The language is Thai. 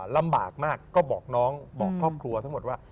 ลำบากมากก็บอกน้องบอกครอบครัวทั้งหมดว่า